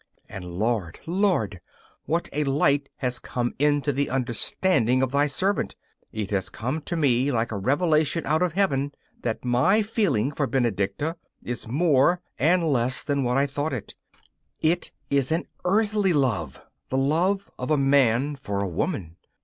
And, Lord, Lord, what a light has come into the understanding of Thy servant! It has come to me like a revelation out of Heaven that my feeling for Benedicta is more and less than what I thought it. It is an earthly love the love of a man for a woman.